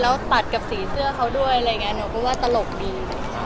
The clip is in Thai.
แล้วตัดกับสีเสื้อเขาด้วยอะไรอย่างนี้หนูก็ว่าตลกดี